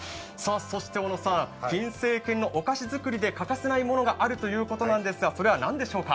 そして小野さん金精軒のお菓子作りで欠かせないものがあるということですが、それは何でしょうか？